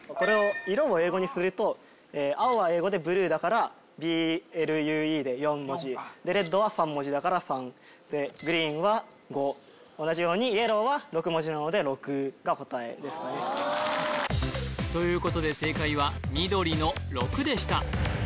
色を英語にすると青は英語でｂｌｕｅだからｂｌｕｅで４文字ｒｅｄは３文字だから３でｇｒｅｅｎは５同じようにｙｅｌｌｏｗは６文字なので６が答えですねということで正解は緑の６でした